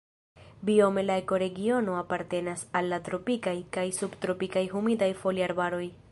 Biome la ekoregiono apartenas al la tropikaj kaj subtropikaj humidaj foliarbaroj.